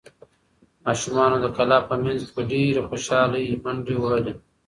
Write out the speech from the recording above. ماشومانو د کلا په منځ کې په ډېرې خوشحالۍ منډې وهلې.